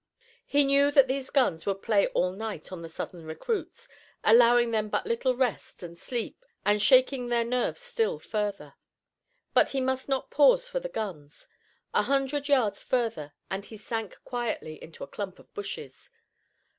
He knew that these guns would play all night on the Southern recruits, allowing them but little rest and sleep and shaking their nerves still further. But he must not pause for the guns. A hundred yards further and he sank quietly into a clump of bushes.